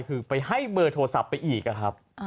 คือไปให้เบอร์โทรศัพท์ไปอีกครับ